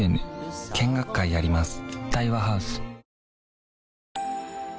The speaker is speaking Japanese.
見学会やります